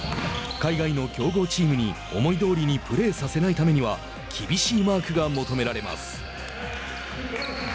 海外の強豪チームに思いどおりにプレーさせないためには厳しいマークが求められます。